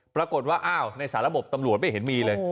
ปรากฏว่าอ้าวในสาระบบตำรวจไม่เห็นมีเลย